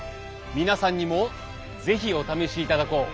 皆さんにも是非お試しいただこう。